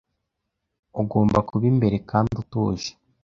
Ugomba kuba imbere kandi utuje